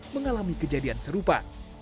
mengalami kejadian serupa